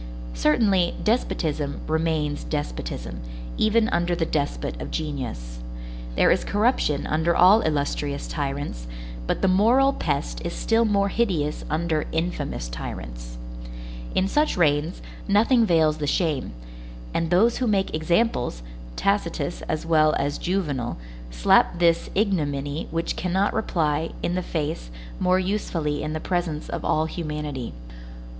Certainly, despotism remains despotism, even under the despot of genius. There is corruption under all illustrious tyrants, but the moral pest is still more hideous under infamous tyrants. In such reigns, nothing veils the shame; and those who make examples, Tacitus as well as Juvenal, slap this ignominy which cannot reply, in the face, more usefully in the presence of all humanity.